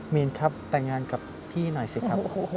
มีนครับแต่งงานกับพี่หน่อยสิครับ